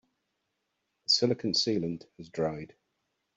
The silicon sealant has dried.